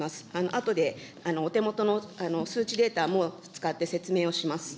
あとでお手元の数値データも使って説明をします。